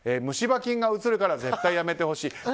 虫歯菌がうつるから絶対やめてほしい。